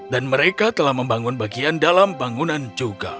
mereka telah membangun bagian dalam bangunan juga